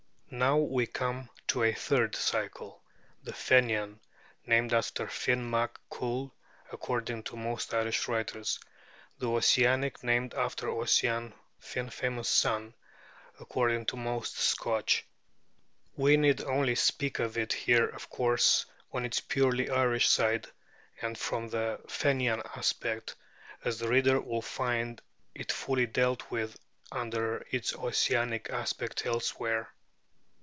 Now we come to a third cycle: the "Fenian" named after Finn Mac Cool, according to most Irish writers; the "Ossianic" named after Ossian, Finn's famous son, according to most Scotch. We need only speak of it here of course on its purely Irish side and from the Fenian aspect, as the reader will find it fully dealt with under its Ossianic aspect elsewhere.